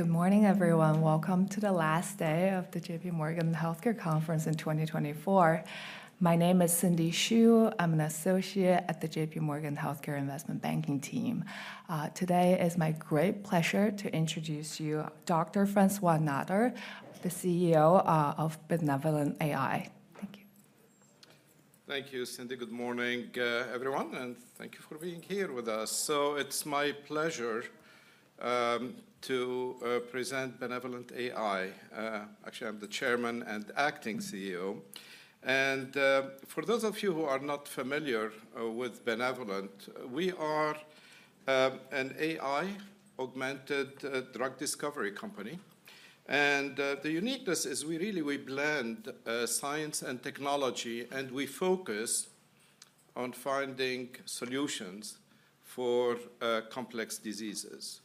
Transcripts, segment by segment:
Good morning, everyone. Welcome to the last day of the JP Morgan Healthcare Conference in 2024. My name is Cindy Shu. I'm an associate at the JP Morgan Healthcare Investment Banking team. Today, it's my great pleasure to introduce you, Dr. François Nader, the CEO of BenevolentAI. Thank you. Thank you, Cindy. Good morning, everyone, and thank you for being here with us. So it's my pleasure to present BenevolentAI. Actually, I'm the Chairman and Acting CEO, and for those of you who are not familiar with Benevolent, we are an AI-augmented drug discovery company, and the uniqueness is we really blend science and technology, and we focus on finding solutions for complex diseases.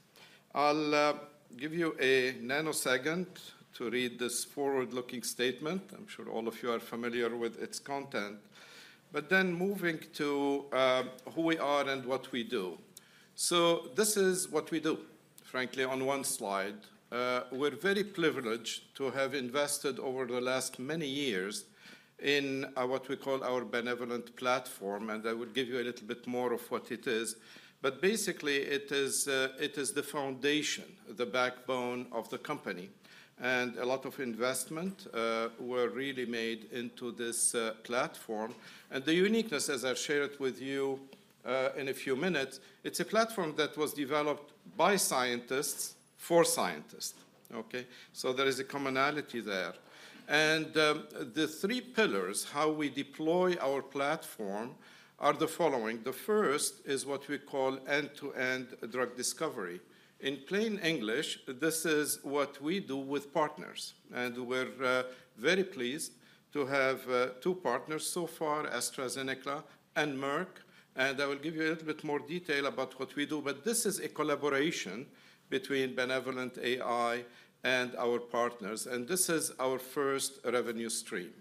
I'll give you a nanosecond to read this forward-looking statement. I'm sure all of you are familiar with its content, but then moving to who we are and what we do. So this is what we do, frankly, on one slide. We're very privileged to have invested over the last many years in what we call our Benevolent Platform, and I will give you a little bit more of what it is, but basically, it is, it is the foundation, the backbone of the company, and a lot of investment were really made into this platform. And the uniqueness, as I've shared with you, in a few minutes, it's a platform that was developed by scientists for scientists, okay? So there is a commonality there. And the three pillars, how we deploy our platform, are the following: The first is what we call end-to-end drug discovery. In plain English, this is what we do with partners, and we're very pleased to have two partners so far, AstraZeneca and Merck, and I will give you a little bit more detail about what we do, but this is a collaboration between BenevolentAI and our partners, and this is our first revenue stream.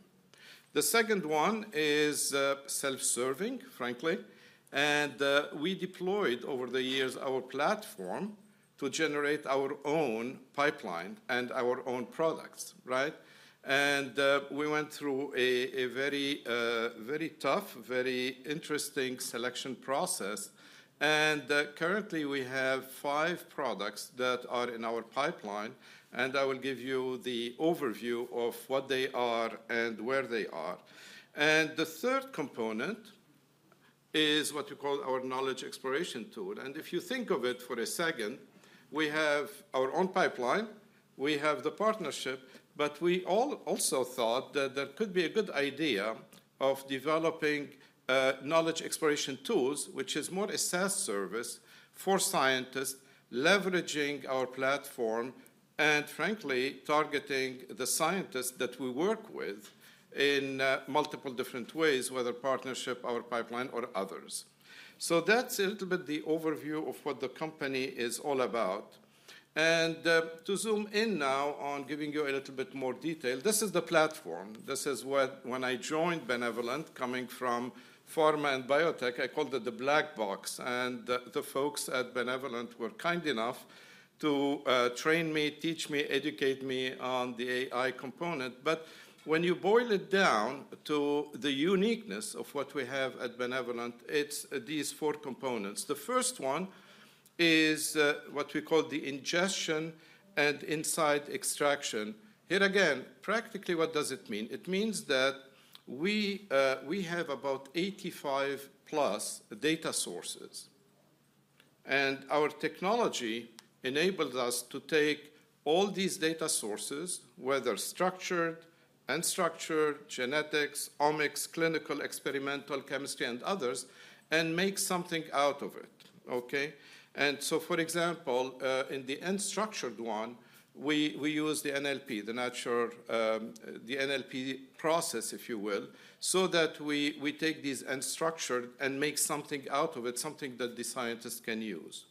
The second one is self-serving, frankly, and we deployed over the years our platform to generate our own pipeline and our own products, right? And we went through a very tough, very interesting selection process, and currently, we have five products that are in our pipeline, and I will give you the overview of what they are and where they are. And the third component is what we call our knowledge exploration tool, and if you think of it for a second, we have our own pipeline, we have the partnership, but we also thought that that could be a good idea of developing knowledge exploration tools, which is more a SaaS service for scientists, leveraging our platform and frankly, targeting the scientists that we work with in multiple different ways, whether partnership, our pipeline, or others. So that's a little bit the overview of what the company is all about, and to zoom in now on giving you a little bit more detail, this is the platform. This is what... When I joined Benevolent, coming from pharma and biotech, I called it the black box, and the folks at Benevolent were kind enough to train me, teach me, educate me on the AI component. But when you boil it down to the uniqueness of what we have at Benevolent, it's these four components. The first one is what we call the ingestion and insight extraction. Here again, practically, what does it mean? It means that we have about 85-plus data sources, and our technology enables us to take all these data sources, whether structured, unstructured, genetics, omics, clinical, experimental, chemistry, and others, and make something out of it, okay? And so, for example, in the unstructured one, we use the NLP, the natural, the NLP process, if you will, so that we take these unstructured and make something out of it, something that the scientists can use.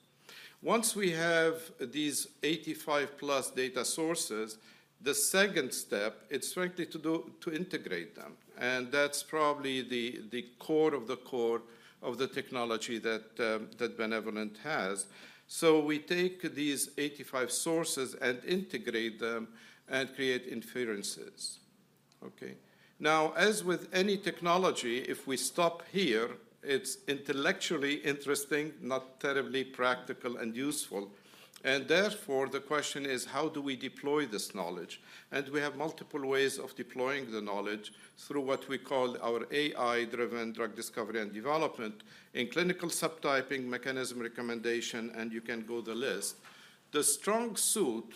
Once we have these 85+ data sources, the second step, it's frankly to integrate them, and that's probably the core of the core of the technology that that Benevolent has. So we take these 85 sources and integrate them and create inferences. Okay? Now, as with any technology, if we stop here, it's intellectually interesting, not terribly practical and useful, and therefore, the question is: How do we deploy this knowledge? We have multiple ways of deploying the knowledge through what we call our AI-driven drug discovery and development in clinical subtyping, mechanism recommendation, and you can go the list. The strong suit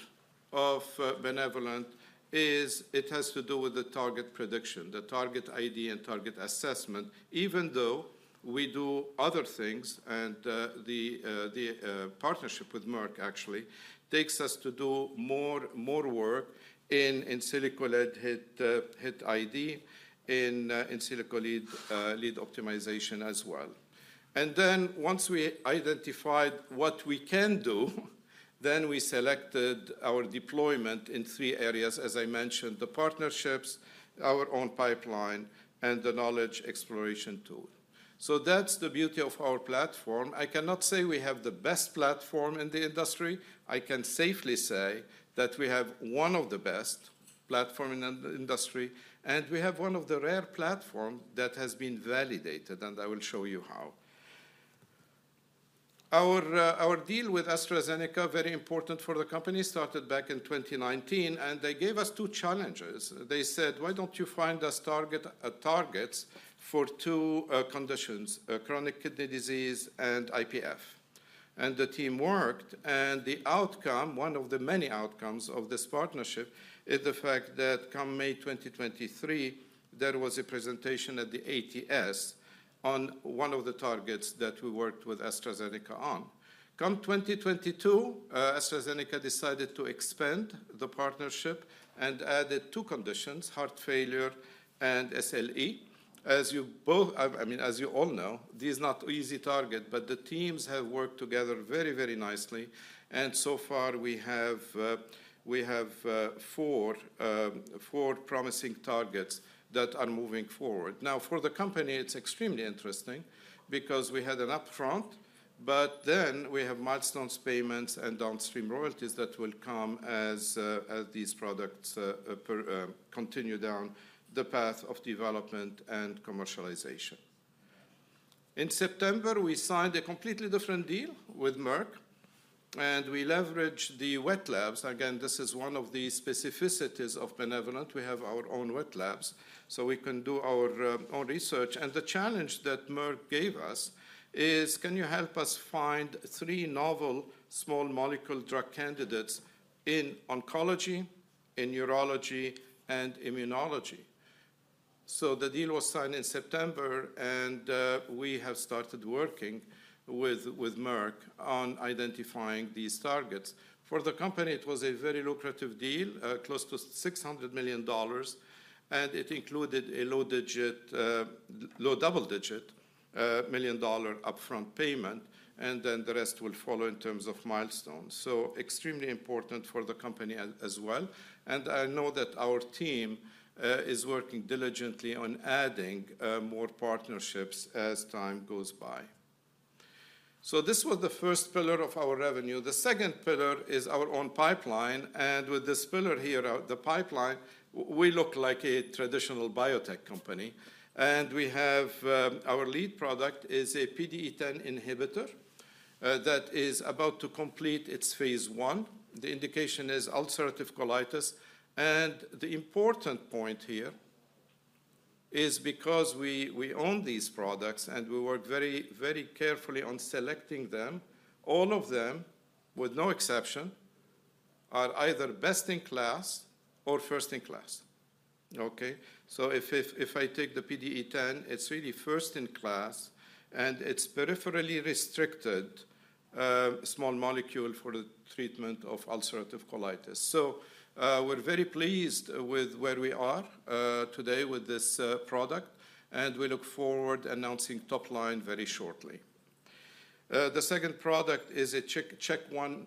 of Benevolent is it has to do with the target prediction, the target ID, and target assessment, even though we do other things, and the partnership with Merck actually takes us to do more work in silico-led hit ID, in silico lead optimization as well. Then, once we identified what we can do, we selected our deployment in three areas, as I mentioned: the partnerships, our own pipeline, and the knowledge exploration tool. That's the beauty of our platform. I cannot say we have the best platform in the industry. I can safely say that we have one of the best platform in an industry, and we have one of the rare platform that has been validated, and I will show you how. Our deal with AstraZeneca, very important for the company, started back in 2019, and they gave us two challenges. They said, "Why don't you find us target, targets for two, conditions: chronic kidney disease and IPF?" And the team worked, and the outcome, one of the many outcomes of this partnership, is the fact that come May 2023, there was a presentation at the ATS on one of the targets that we worked with AstraZeneca on. Come 2022, AstraZeneca decided to expand the partnership and added two conditions, heart failure and SLE. As you both, I mean, as you all know, this is not easy target, but the teams have worked together very, very nicely, and so far we have four promising targets that are moving forward. Now, for the company, it's extremely interesting because we had an upfront, but then we have milestones, payments, and downstream royalties that will come as these products continue down the path of development and commercialization. In September, we signed a completely different deal with Merck, and we leveraged the wet labs. Again, this is one of the specificities of Benevolent. We have our own wet labs, so we can do our own research. And the challenge that Merck gave us is, "Can you help us find three novel small molecule drug candidates in oncology, in neurology, and immunology?" So the deal was signed in September, and we have started working with Merck on identifying these targets. For the company, it was a very lucrative deal, close to $600 million, and it included a low digit, low double-digit, million-dollar upfront payment, and then the rest will follow in terms of milestones. So extremely important for the company as well, and I know that our team is working diligently on adding more partnerships as time goes by. So this was the first pillar of our revenue. The second pillar is our own pipeline, and with this pillar here, the pipeline, we look like a traditional biotech company. And we have our lead product is a PDE10 inhibitor that is about to complete its phase 1. The indication is ulcerative colitis, and the important point here is because we own these products and we work very, very carefully on selecting them, all of them, with no exception, are either best-in-class or first-in-class. Okay? So if I take the PDE10, it's really first-in-class, and it's peripherally restricted small molecule for the treatment of ulcerative colitis. So we're very pleased with where we are today with this product, and we look forward to announcing top line very shortly. The second product is a CHEK1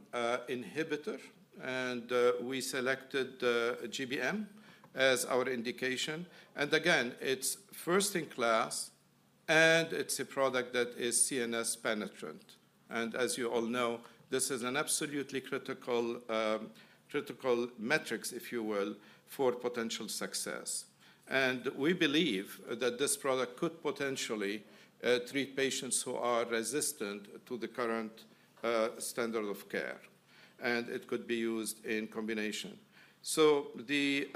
inhibitor, and we selected GBM as our indication. And again, it's first-in-class, and it's a product that is CNS penetrant. And as you all know, this is an absolutely critical metrics, if you will, for potential success. We believe that this product could potentially treat patients who are resistant to the current standard of care, and it could be used in combination. The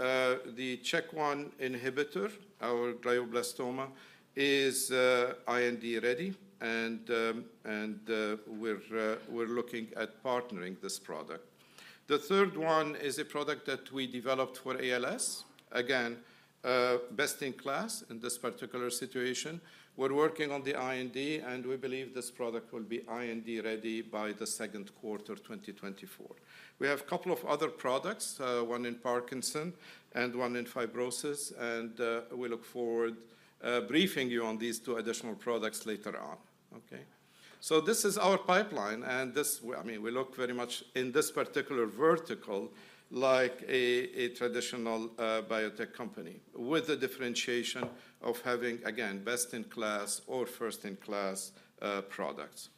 CHEK1 inhibitor, our glioblastoma, is IND ready, and we're looking at partnering this product. The third one is a product that we developed for ALS. Again, best-in-class in this particular situation. We're working on the IND, and we believe this product will be IND ready by Q2, 2024. We have a couple of other products, one in Parkinson and one in fibrosis, and we look forward briefing you on these two additional products later on. Okay? So this is our pipeline, and this, well, I mean, we look very much in this particular vertical like a traditional biotech company, with the differentiation of having, again, best-in-class or first-in-class products.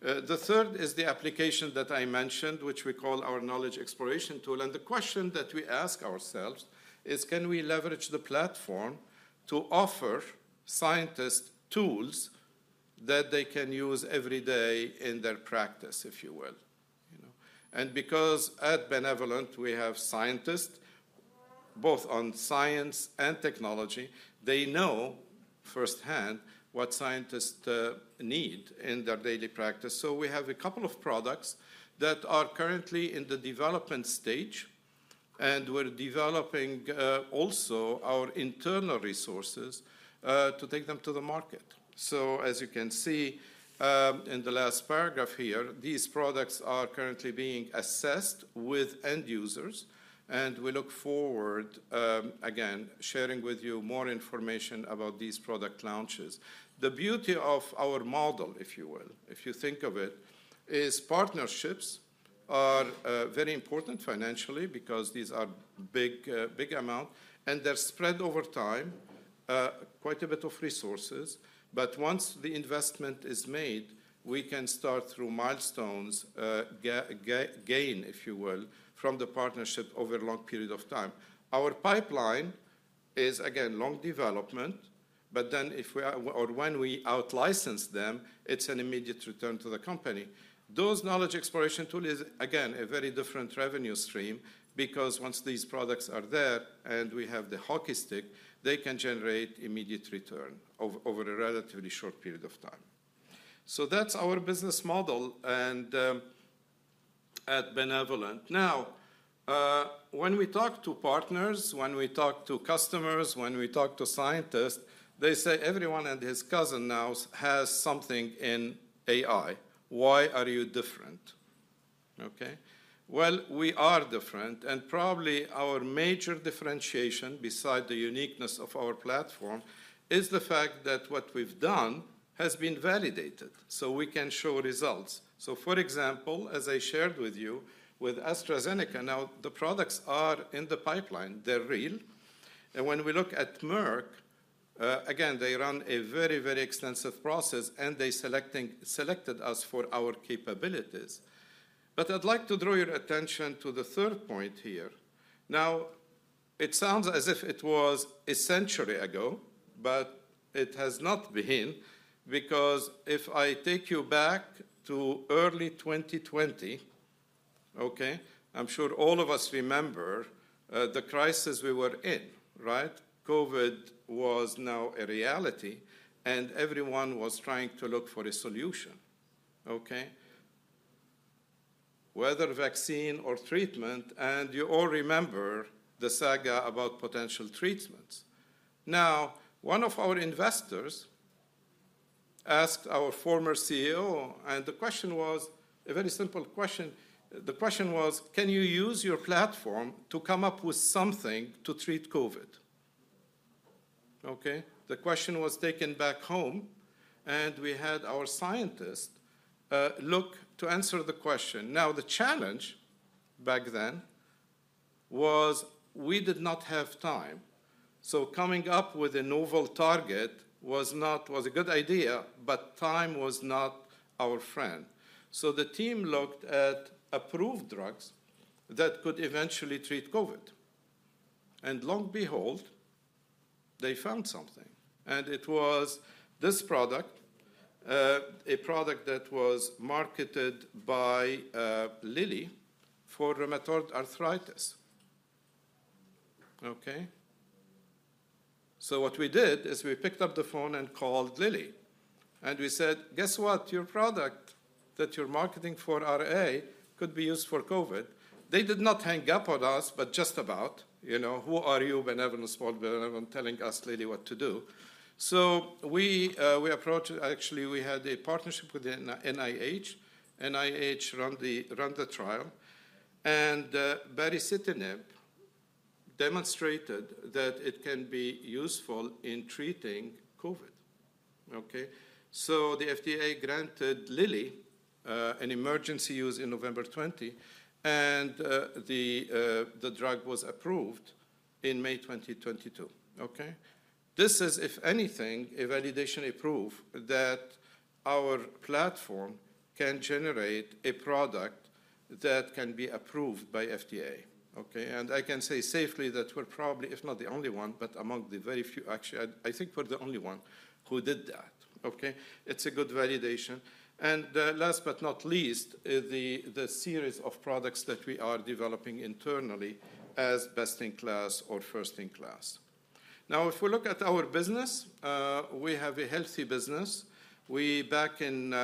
The third is the application that I mentioned, which we call our Knowledge Exploration Tool, and the question that we ask ourselves is: can we leverage the platform to offer scientists tools that they can use every day in their practice, if you will? You know. And because at Benevolent, we have scientists, both on science and technology, they know firsthand what scientists need in their daily practice. So we have a couple of products that are currently in the development stage, and we're developing also our internal resources to take them to the market. So as you can see, in the last paragraph here, these products are currently being assessed with end users, and we look forward, again, sharing with you more information about these product launches. The beauty of our model, if you will, if you think of it, is partnerships are very important financially because these are big, big amount, and they're spread over time. Quite a bit of resources, but once the investment is made, we can start through milestones, gain, if you will, from the partnership over a long period of time. Our pipeline is, again, long development, but then if we are or when we out-license them, it's an immediate return to the company. Those knowledge exploration tool is, again, a very different revenue stream because once these products are there and we have the hockey stick, they can generate immediate return over a relatively short period of time. So that's our business model and at Benevolent. Now, when we talk to partners, when we talk to customers, when we talk to scientists, they say, "Everyone and his cousin now has something in AI. Why are you different?" Okay? Well, we are different, and probably our major differentiation, besides the uniqueness of our platform, is the fact that what we've done has been validated, so we can show results. So, for example, as I shared with you with AstraZeneca, now the products are in the pipeline. They're real. When we look at Merck, again, they run a very, very extensive process, and they selected us for our capabilities. But I'd like to draw your attention to the third point here. Now, it sounds as if it was a century ago, but it has not been, because if I take you back to early 2020, okay? I'm sure all of us remember the crisis we were in, right? COVID was now a reality, and everyone was trying to look for a solution, okay, whether vaccine or treatment, and you all remember the saga about potential treatments. Now, one of our investors asked our former CEO, and the question was a very simple question. The question was: "Can you use your platform to come up with something to treat COVID?" Okay? The question was taken back home, and we had our scientists look to answer the question. Now, the challenge back then was we did not have time, so coming up with a novel target was not a good idea, but time was not our friend. So the team looked at approved drugs that could eventually treat COVID, and lo and behold, they found something, and it was this product, a product that was marketed by Lilly for rheumatoid arthritis. Okay? So what we did is we picked up the phone and called Lilly, and we said, "Guess what? Your product that you're marketing for RA could be used for COVID." They did not hang up on us, but just about. You know, "Who are you, BenevolentAI, telling us Lilly what to do?" So we approached. Actually, we had a partnership with the NIH. NIH ran the trial, and baricitinib demonstrated that it can be useful in treating COVID, okay? So the FDA granted Lilly an emergency use in November 2020, and the drug was approved in May 2022, okay? This is, if anything, a validation, a proof that our platform can generate a product that can be approved by FDA, okay? And I can say safely that we're probably, if not the only one, but among the very few. Actually, I think we're the only one who did that, okay? It's a good validation. And last but not least, is the series of products that we are developing internally as best-in-class or first-in-class. Now, if we look at our business, we have a healthy business. We, back in,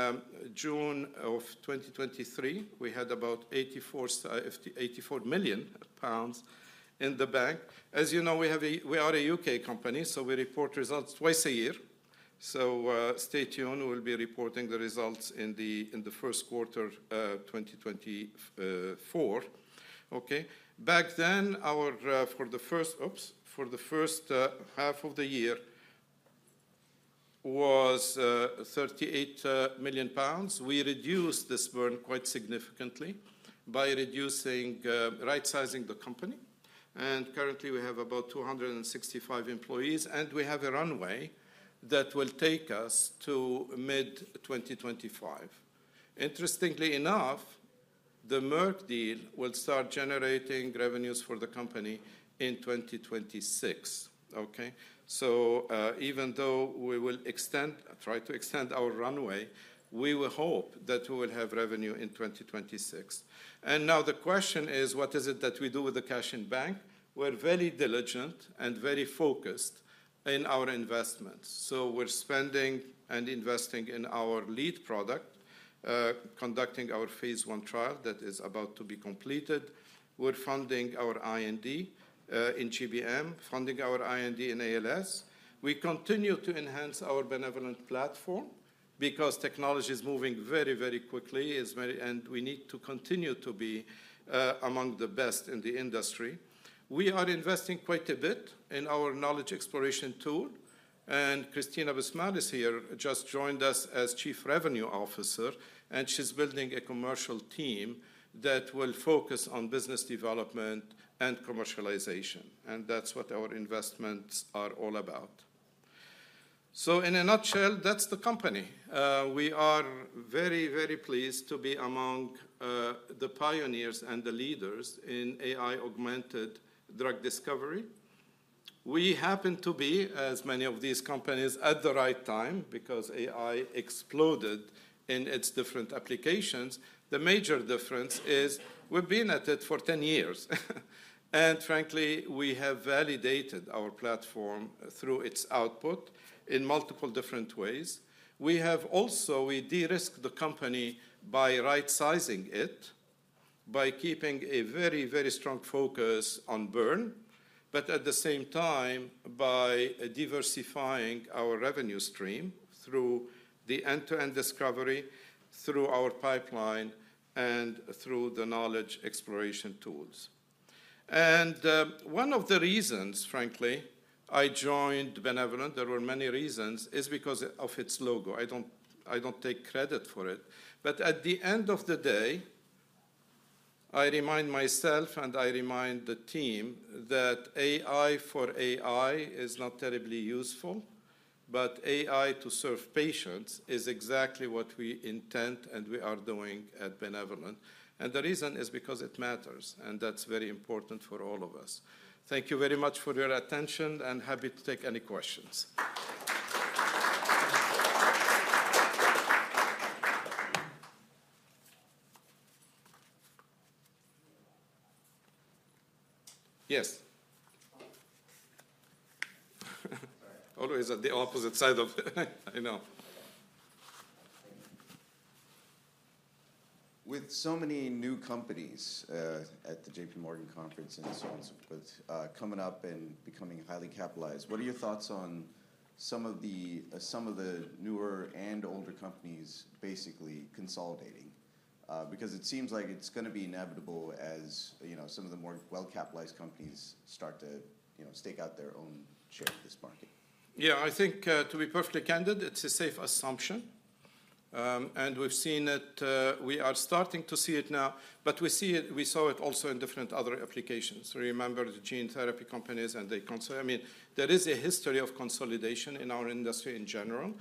June of 2023, we had about 84 million pounds in the bank. As you know, we are a U.K. company, so we report results twice a year. So, stay tuned. We'll be reporting the results in the first quarter, 2024. Okay? Back then, our, for the first half of the year was, thirty-eight million pounds. We reduced this burn quite significantly by reducing, right-sizing the company, and currently, we have about 265 employees, and we have a runway that will take us to mid-2025. Interestingly enough, the Merck deal will start generating revenues for the company in 2026, okay? Even though we will extend, try to extend our runway, we will hope that we will have revenue in 2026. Now the question is: What is it that we do with the cash in bank? We're very diligent and very focused in our investments, so we're spending and investing in our lead product, conducting our phase I trial that is about to be completed. We're funding our IND in GBM, funding our IND in ALS. We continue to enhance our Benevolent Platform because technology is moving very, very quickly, and we need to continue to be among the best in the industry. We are investing quite a bit in our knowledge exploration tool. Cristina Busmalis is here, just joined us as Chief Revenue Officer, and she's building a commercial team that will focus on business development and commercialization, and that's what our investments are all about. So in a nutshell, that's the company. We are very, very pleased to be among the pioneers and the leaders in AI-augmented drug discovery. We happen to be, as many of these companies, at the right time because AI exploded in its different applications. The major difference is we've been at it for 10 years, and frankly, we have validated our platform through its output in multiple different ways. We have also de-risked the company by right-sizing it, by keeping a very, very strong focus on burn, but at the same time, by diversifying our revenue stream through the end-to-end discovery, through our pipeline, and through the knowledge exploration tools. And, one of the reasons, frankly, I joined Benevolent, there were many reasons, is because of its logo. I don't, I don't take credit for it, but at the end of the day, I remind myself, and I remind the team, that AI for AI is not terribly useful, but AI to serve patients is exactly what we intend and we are doing at Benevolent. And the reason is because it matters, and that's very important for all of us. Thank you very much for your attention, and happy to take any questions. Yes? Always at the opposite side of- I know. With so many new companies at the JP Morgan conference, and so on, with coming up and becoming highly capitalized, what are your thoughts on some of the, some of the newer and older companies basically consolidating? Because it seems like it's gonna be inevitable, as you know, some of the more well-capitalized companies start to, you know, stake out their own share of this market. Yeah, I think, to be perfectly candid, it's a safe assumption. And we've seen it. We are starting to see it now, but we see it- we saw it also in different other applications. Remember the gene therapy companies and they cons- I mean, there is a history of consolidation in our industry in general.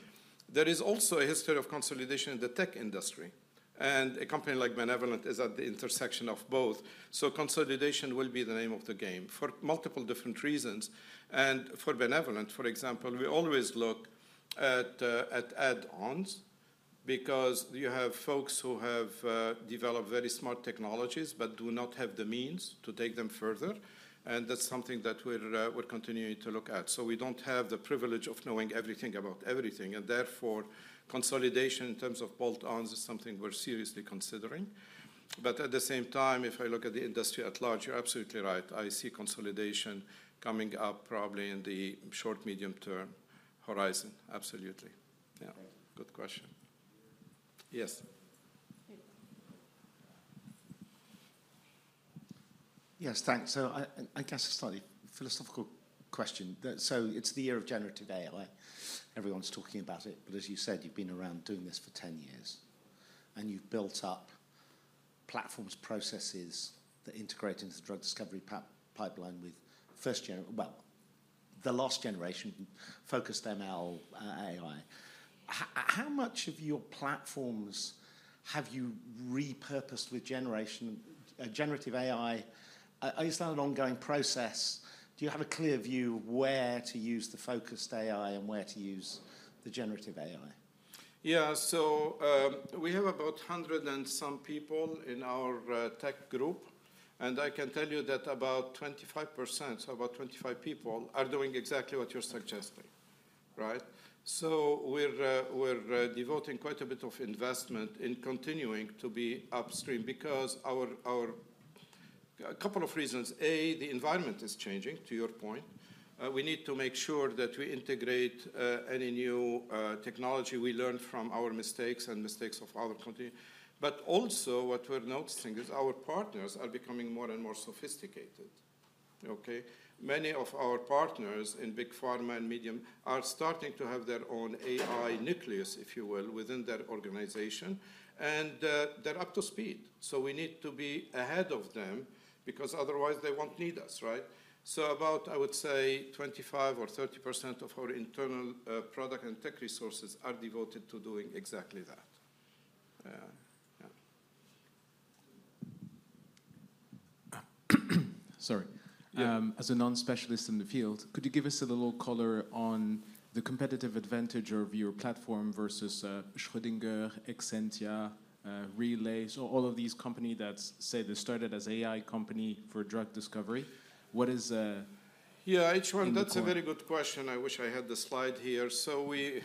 There is also a history of consolidation in the tech industry, and a company like Benevolent is at the intersection of both. So consolidation will be the name of the game for multiple different reasons. And for Benevolent, for example, we always look at, at add-ons because you have folks who have, developed very smart technologies but do not have the means to take them further, and that's something that we're, we're continuing to look at. So we don't have the privilege of knowing everything about everything, and therefore, consolidation in terms of bolt-ons is something we're seriously considering. But at the same time, if I look at the industry at large, you're absolutely right. I see consolidation coming up probably in the short, medium-term horizon. Absolutely. Yeah. Thank you. Good question. Yes? Yes, thanks. So I guess a slightly philosophical question. So it's the year of generative AI. Everyone's talking about it, but as you said, you've been around doing this for 10 years, and you've built up platforms, processes that integrate into the drug discovery pipeline with first—well, the last generation focused ML, AI. How much of your platforms have you repurposed with generation, generative AI? Is that an ongoing process? Do you have a clear view of where to use the focused AI and where to use the generative AI? Yeah. So, we have about 100 and some people in our tech group, and I can tell you that about 25%, so about 25 people, are doing exactly what you're suggesting, right? So we're devoting quite a bit of investment in continuing to be upstream because. A couple of reasons: A, the environment is changing, to your point. We need to make sure that we integrate any new technology we learn from our mistakes and mistakes of other companies. But also, what we're noticing is our partners are becoming more and more sophisticated, okay? Many of our partners in big pharma and medium are starting to have their own AI nucleus, if you will, within their organization, and they're up to speed. So we need to be ahead of them, because otherwise they won't need us, right? About, I would say, 25% or 30% of our internal product and tech resources are devoted to doing exactly that. Yeah. Sorry. Yeah. As a non-specialist in the field, could you give us a little color on the competitive advantage of your platform versus Schrödinger, Exscientia, Relay, so all of these company that's say they started as AI company for drug discovery. What is Yeah, each one- -in the core? That's a very good question. I wish I had the slide here. So we,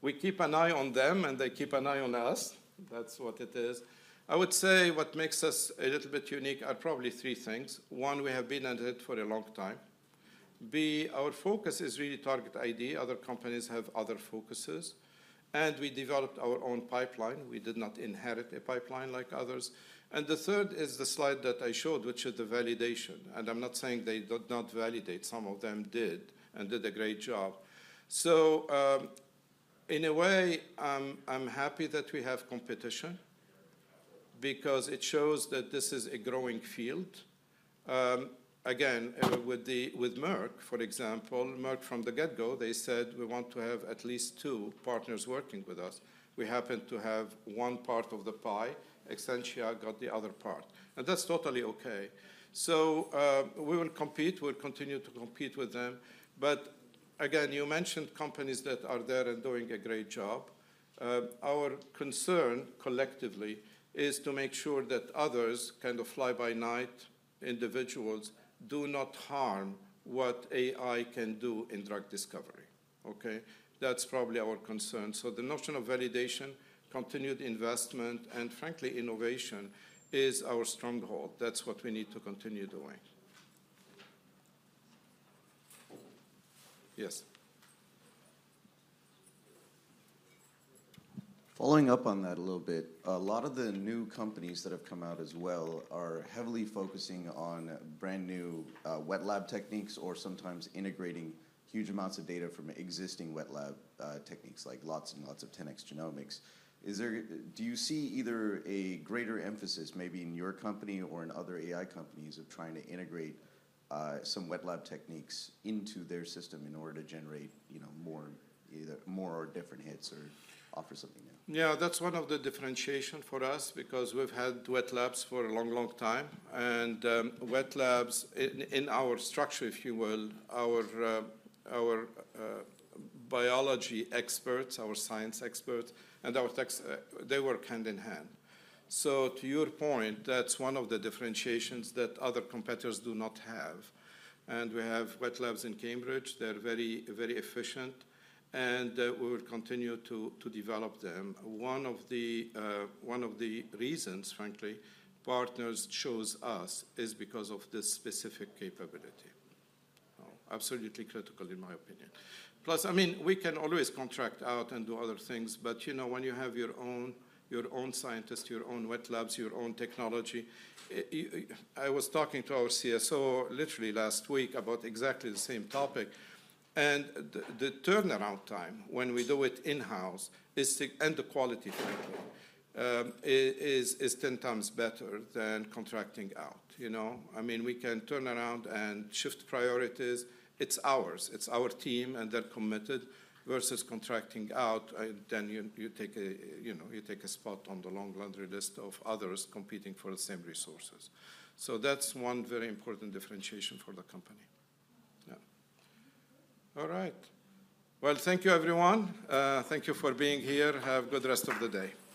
we keep an eye on them, and they keep an eye on us. That's what it is. I would say what makes us a little bit unique are probably three things. One, we have been at it for a long time. B, our focus is really target ID, other companies have other focuses, and we developed our own pipeline. We did not inherit a pipeline like others. And the third is the slide that I showed, which is the validation, and I'm not saying they do not validate. Some of them did, and did a great job. So in a way, I'm happy that we have competition, because it shows that this is a growing field. Again, with Merck, for example, Merck from the get-go, they said, "We want to have at least two partners working with us." We happen to have one part of the pie. Exscientia got the other part, and that's totally okay. So, we will compete. We'll continue to compete with them, but again, you mentioned companies that are there and doing a great job. Our concern, collectively, is to make sure that others, kind of fly-by-night individuals, do not harm what AI can do in drug discovery, okay? That's probably our concern. So the notion of validation, continued investment, and frankly, innovation, is our stronghold. That's what we need to continue doing. Yes? Following up on that a little bit, a lot of the new companies that have come out as well are heavily focusing on brand-new, wet lab techniques or sometimes integrating huge amounts of data from existing wet lab, techniques, like lots and lots of 10x Genomics. Do you see either a greater emphasis, maybe in your company or in other AI companies, of trying to integrate, some wet lab techniques into their system in order to generate, you know, more, either more or different hits or offer something new? Yeah, that's one of the differentiation for us, because we've had wet labs for a long, long time. And wet labs in our structure, if you will, our, our biology experts, our science experts, and our techs, they work hand in hand. So to your point, that's one of the differentiations that other competitors do not have. And we have wet labs in Cambridge. They're very, very efficient, and we will continue to develop them. One of the, one of the reasons, frankly, partners choose us is because of this specific capability. Absolutely critical, in my opinion. Plus, I mean, we can always contract out and do other things, but, you know, when you have your own, your own scientists, your own wet labs, your own technology... I was talking to our CSO literally last week about exactly the same topic, and the turnaround time when we do it in-house is and the quality, frankly, is ten times better than contracting out, you know? I mean, we can turn around and shift priorities. It's ours. It's our team, and they're committed, versus contracting out, then you take a, you know, you take a spot on the long laundry list of others competing for the same resources. So that's one very important differentiation for the company. Yeah. All right. Well, thank you, everyone. Thank you for being here. Have a good rest of the day.